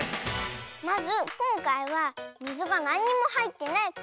まずこんかいはみずがなんにもはいってないコップ。